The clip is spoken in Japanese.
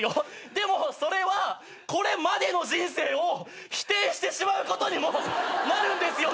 でもそれはこれまでの人生を否定してしまうことにもなるんですよね。